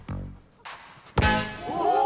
お！